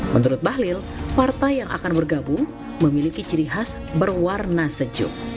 menurut bahlil partai yang akan bergabung memiliki ciri khas berwarna sejuk